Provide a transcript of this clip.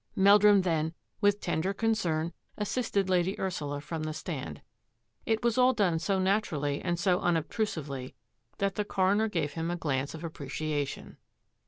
Meldrum then with tender concern assisted Lady Ursula from the stand. It was all done so naturally and so unobtrusively that the coroner gave him a glance of appreciation.